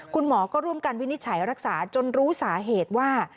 คุณหมอก็ร่วมกันวินิจฉัยรักษาจนรู้สาเหตุว่า